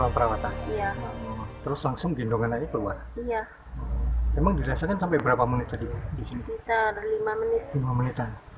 pasien itu pada istirahat semua